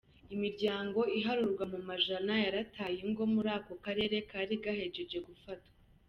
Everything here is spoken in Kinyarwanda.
Imiryango iharurwa mu majana yarataye ingo murako karere kari gahejeje gufatwa.